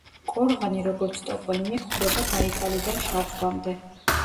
ყორღანი როგორც ტოპონიმი გვხვდება ბაიკალიდან შავ ზღვამდე.